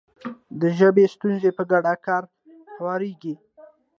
د ژبې ستونزې په ګډ کار هواریږي.